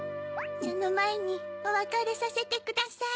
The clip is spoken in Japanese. そのまえにおわかれさせてください。